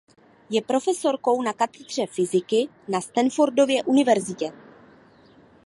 Je profesorkou na katedře fyziky na Stanfordově univerzitě.